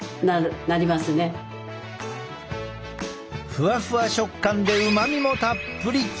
ふわふわ食感でうまみもたっぷり！